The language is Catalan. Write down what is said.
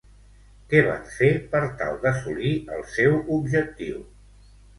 Què van fer per tal d'assolir el seu objectiu?